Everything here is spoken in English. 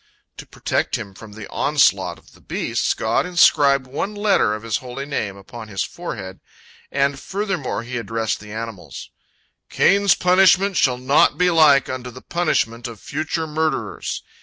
" To protect him from the onslaught of the beasts, God inscribed one letter of His Holy Name upon his forehead, and furthermore He addressed the animals: "Cain's punishment shall not be like unto the punishment of future murderers.